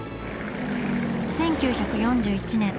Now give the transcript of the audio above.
１９４１年。